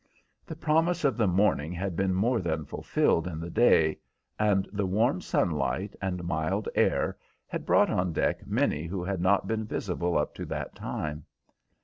The promise of the morning had been more than fulfilled in the day, and the warm sunlight and mild air had brought on deck many who had not been visible up to that time.